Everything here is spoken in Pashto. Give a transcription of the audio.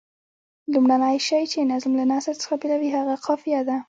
لومړنی شی چې نظم له نثر څخه بېلوي هغه قافیه ده.